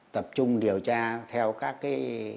tập trung điều tra theo các cái